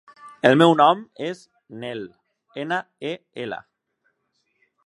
El meu nom és Nel: ena, e, ela.